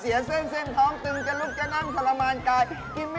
ไอจนเป็นบรรยาการไอจนตกบันได